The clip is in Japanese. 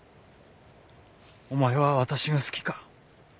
お前は私が好きか？